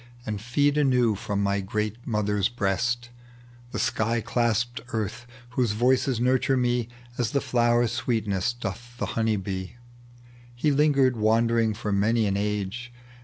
And feed anew from my great mother's breast. The sliy claspcd Earth, whose voices nurture me As the flowers' sweetness doth the honey bee." He lingered wandering for many an age.